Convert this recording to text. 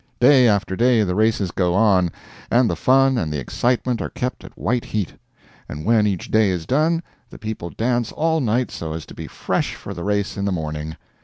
Day after day the races go on, and the fun and the excitement are kept at white heat; and when each day is done, the people dance all night so as to be fresh for the race in the morning.